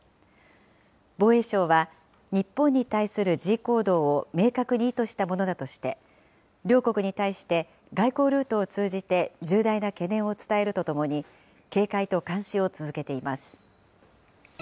防衛省は、日本に対する示威行動を明確に意図したものだとして、両国に対して、外交ルートを通じて重大な懸念を伝えるとともに、警戒と監視を続けています。